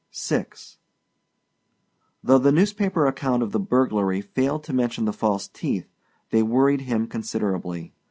VI Though the newspaper account of the burglary failed to mention the false teeth, they worried him considerably.